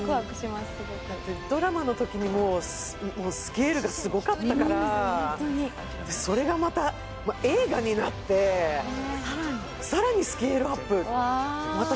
すごくドラマの時にもスケールがすごかったからそれがまた映画になってさらにさらにスケールアップ私